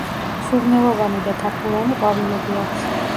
სურნელოვანი და თაფლოვანი ყვავილები აქვს.